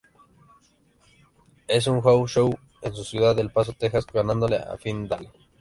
En un "House Show" en su ciudad, El Paso, Texas, ganándole a Finlay.